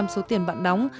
bốn mươi số tiền bạn đóng